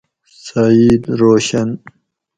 سعید روشن